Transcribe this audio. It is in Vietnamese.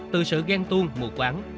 từ sự ghen tuôn mùa quán